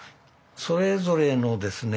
それぞれのですね